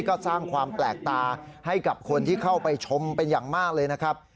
ก็สร้างความแปลกตาให้กับคนที่เข้าไปชมเป็นอย่างมากเลยนะครับ